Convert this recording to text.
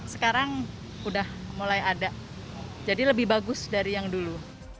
sekarang udah mulai ada jadi lebih bagus dari yang dulu